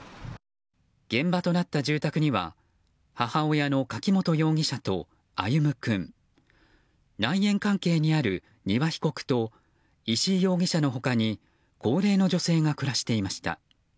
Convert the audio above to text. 現場となった住宅には母親の柿本容疑者と歩夢君内縁関係にある丹羽被告と石井容疑者の他に高齢の女性が暮らしていました。